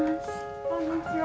こんにちは。